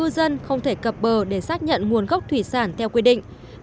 sẽ cập bờ để xác nhận nguồn gốc thủy sản theo quy định